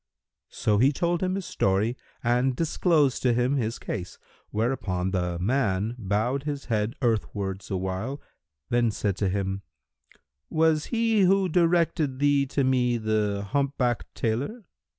So he told him his story and disclosed to him his case, whereupon the man bowed his head earthwards awhile, then said to him, "Was he who directed thee to me the humpbacked tailor?"